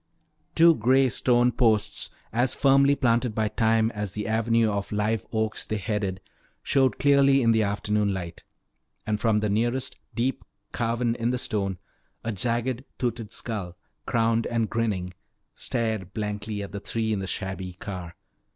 Two gray stone posts, as firmly planted by time as the avenue of live oaks they headed, showed clearly in the afternoon light. And from the nearest, deep carven in the stone, a jagged toothed skull, crowned and grinning, stared blankly at the three in the shabby car.